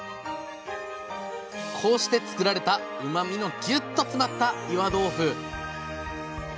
こうして作られたうまみのギュッと詰まった岩豆腐！